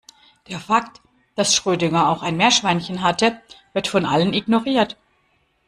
Der Fakt, dass Schrödinger auch ein Meerschweinchen hatte, wird von allen ignoriert.